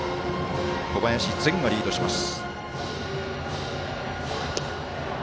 小林然がリードします。